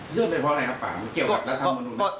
เรื่องเป็นเพราะอะไรครับป่ามันเกี่ยวกับรัฐมนุน